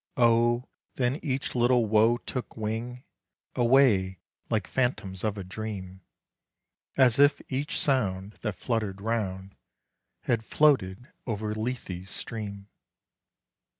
Oh! then each little woe took wing Away, like phantoms of a dream; As if each sound That flutter'd round, Had floated over Lethe's stream!